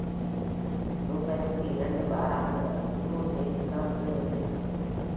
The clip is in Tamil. லுர்கனுக்கு இரண்டு வாராந்திர உள்ளூர் செய்தித்தாள் சேவை செய்கிறது.